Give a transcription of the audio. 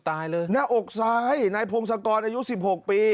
ตายเลยหน้าอกซ้ายนายพงศกรอายุสิบหกปี